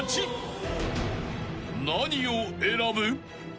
［何を選ぶ？］